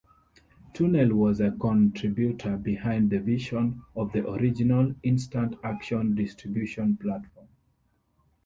Tunnell was a contributor behind the vision of the original InstantAction distribution platform.